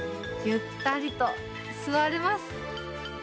ゆったりと座れます。